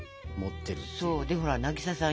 そうでほら渚さん